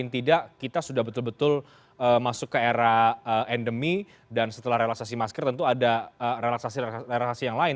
tidak kita sudah betul betul masuk ke era endemi dan setelah relaksasi masker tentu ada relaksasi relasi yang lain